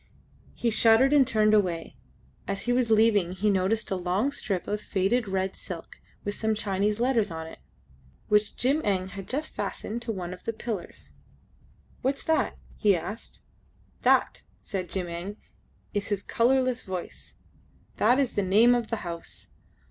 ... He shuddered and turned away. As he was leaving he noticed a long strip of faded red silk, with some Chinese letters on it, which Jim Eng had just fastened to one of the pillars. "What's that?" he asked. "That," said Jim Eng, in his colourless voice, "that is the name of the house.